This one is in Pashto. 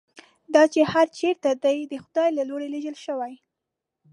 دی چې هر چېرته دی د خدای له لوري لېږل شوی.